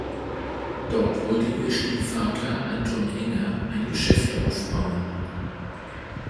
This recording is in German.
Dort wollte ihr Stiefvater Anton Enger ein Geschäft aufbauen.